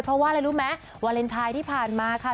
เพราะว่าอะไรรู้ไหมวาเลนไทยที่ผ่านมาค่ะ